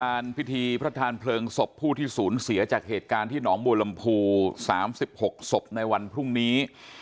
พิธีพระทานเพลิงศพผู้ที่สูญเสียจากเหตุการณ์ที่หนองบัวลำพู๓๖ศพในวันพรุ่งนี้